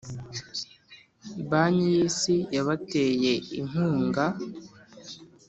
Banki yisi yabateye inkungaa